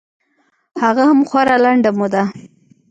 هغه هم خورا لنډه موده.